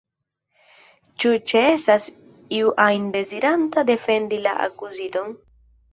Ĉu ĉeestas iu ajn deziranta defendi la akuziton?